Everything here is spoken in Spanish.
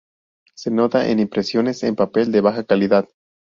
Se nota en impresiones en papel de baja calidad.